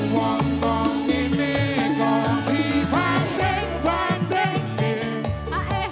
wondong ini kondi pandeng pandeng